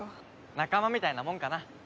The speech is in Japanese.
仲間みたいなもんかな。